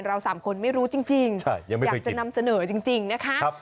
สามคนไม่รู้จริงอยากจะนำเสนอจริงนะคะ